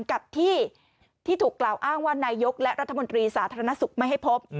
กับที่ถูกกล่าวอ้างว่านายกและรัฐมนตรีสาธารณสุขไม่ให้พบ